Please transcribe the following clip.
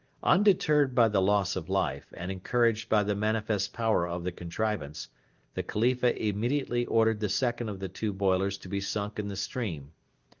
Undeterred by the loss of life, and encouraged by the manifest power of the contrivance, the Khalifa immediately ordered the second of the two boilers to be sunk in the stream.